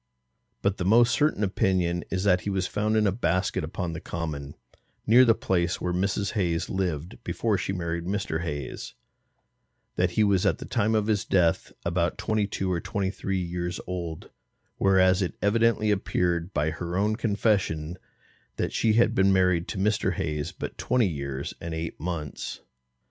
But the most certain opinion is that he was found in a basket upon the common, near the place where Mrs. Hayes lived before she married Mr. Hayes, that he was at that time of his death about twenty two or twenty three years old; whereas it evidently appeared by her own confession, that she had been married to Mr. Hayes but twenty years and eight months.